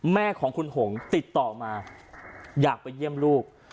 แม่ของคุณหงติดต่อมาอยากไปเยี่ยมลูก